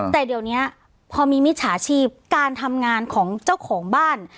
แต่เดี๋ยวนี้พอมีมิจฉาชีพการทำงานของเจ้าของบ้าน